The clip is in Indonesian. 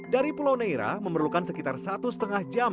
dari pulau neira memerlukan sekitar satu lima jam